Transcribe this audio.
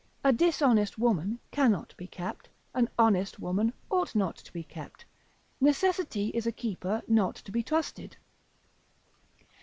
A dishonest woman cannot be kept, an honest woman ought not to be kept, necessity is a keeper not to be trusted.